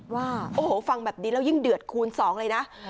ว่าโอ้โหฟังแบบนี้แล้วยิ่งเดือดคูณสองเลยนะ